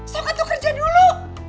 so kan tuh kerja dulu